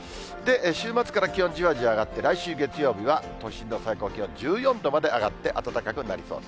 週末から気温じわじわ上がって、来週月曜日は、都心の最高気温１４度まで上がって、暖かくなりそうです。